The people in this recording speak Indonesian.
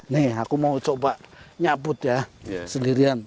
nih aku mau coba nyabut ya sendirian